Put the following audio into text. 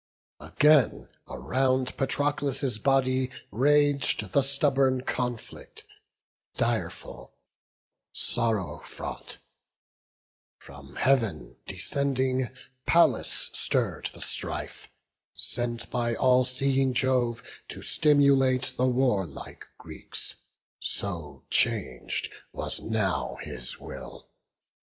Again around Patroclus' body rag'd The stubborn conflict, direful, sorrow fraught: From Heav'n descending, Pallas stirr'd the strife, Sent by all seeing Jove to stimulate The warlike Greeks; so changed was now his will.